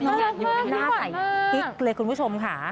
ตัวจริงน่ารักมากน่าใส่คลิกเลยคุณผู้ชมค่ะ